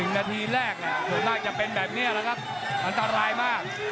๑นาทีแรกหลบล่างจะเป็นแบบนี้แล้วครับอันตรายมาก